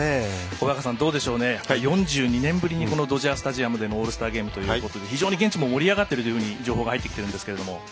小早川さん、どうでしょう４２年ぶりにドジャースタジアムでのオールスターゲームということで非常に現地も盛り上がってると情報、入ってきてるんですが。